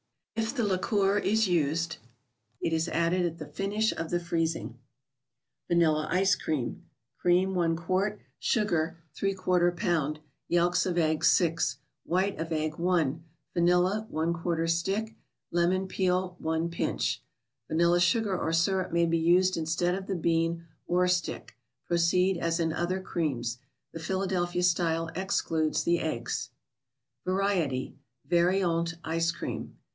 If the liqueur is used, it is added at the finish of the freezing. a&anUla 3icc=Cream. Cream, 1 qt.; Sugar, X lb.; Yelks of eggs, 6 ; White of egg, 1 ; Vanilla, X stick; Lemon peel, 1 pinch. Vanilla sugar or syrup may be used instead of the bean or stick. Proceed as in other creams. The Philadelphia style excludes the eggs. J&arieti? (©auaitte) icecream.